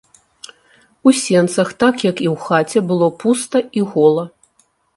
У сенцах, так як і ў хаце, было пуста і гола.